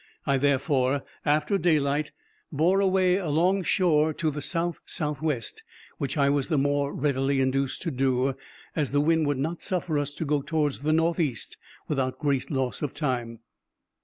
I therefore, after daylight, bore away along shore to the south south west, which I was the more readily induced to do, as the wind would not suffer us to go towards the north east without great loss of time.